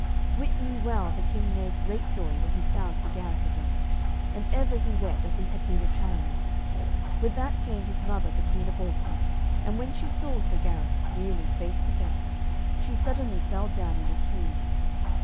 Wit ye well the King made great joy when he found Sir Gareth again, and ever he wept as he had been a child. With that came his mother, the Queen of Orkney, and when she saw Sir Gareth really face to face she suddenly fell down in a swoon.